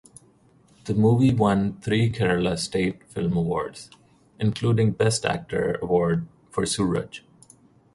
The movie won three Kerala State Film Awards including Best Actor award for Suraj.